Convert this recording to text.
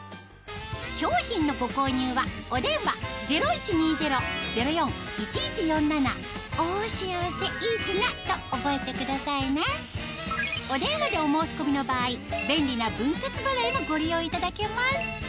商品のご購入はお電話０１２０−０４−１１４７と覚えてくださいね便利な分割払いもご利用いただけます